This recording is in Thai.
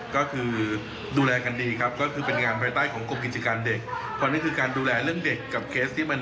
ก็คือดูแลดีครับคือเป็นงามใบใต้ของกรุงกิจกรณ์เด็ก